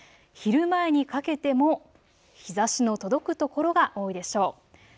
昼前にかけても日ざしの届く所が多いでしょう。